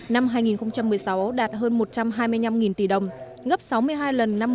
năm hai nghìn một mươi sáu đạt hơn một trăm hai mươi năm tỷ đồng ngấp sáu mươi hai lần năm một nghìn chín trăm chín mươi bảy